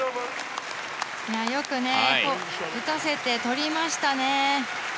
よく打たせてとりましたね。